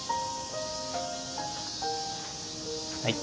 はい。